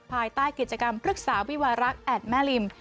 ภายใต้กิจกรรมพฤกษาวิวารักษ์แอดแม่ริม